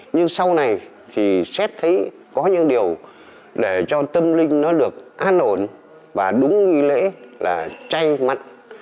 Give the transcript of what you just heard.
nhưng sau này thì xét thấy có những điều để cho tâm linh nó được an ổn và đúng nghi lễ là chay mặn